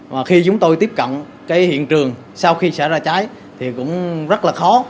và khi chúng tôi tiếp cận cái hiện trường sau khi xảy ra cháy thì cũng rất là khó